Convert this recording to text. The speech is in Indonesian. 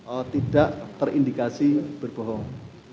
orang tidak terindikasi berbohong